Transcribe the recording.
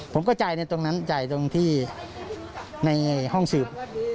ผมก็จ่ายในตรงนั้นจ่ายตรงที่ในห้องสืบ